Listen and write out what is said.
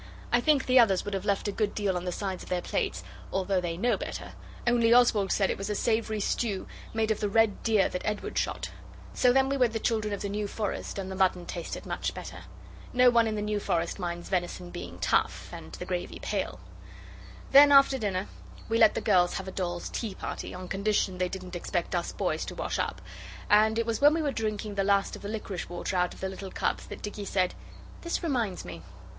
I think the others would have left a good deal on the sides of their plates, although they know better, only Oswald said it was a savoury stew made of the red deer that Edward shot. So then we were the Children of the New Forest, and the mutton tasted much better. No one in the New Forest minds venison being tough and the gravy pale. Then after dinner we let the girls have a dolls' tea party, on condition they didn't expect us boys to wash up; and it was when we were drinking the last of the liquorice water out of the little cups that Dicky said 'This reminds me.